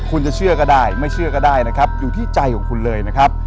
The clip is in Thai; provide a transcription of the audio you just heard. คุณจะเชื่อก็ได้ไม่เชื่อก็ได้นะครับอยู่ที่ใจของคุณเลยนะครับ